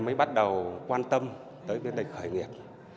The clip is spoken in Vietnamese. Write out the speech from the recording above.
mới bắt đầu quan tâm tới biến đẩy khởi nghiệp